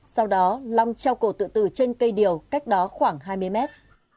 sau đó long treo cổ tự tử trên cây điều cách đó khoảng hai mươi mét